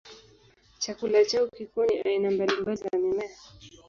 Chakula chao kikuu ni aina mbalimbali za mimea.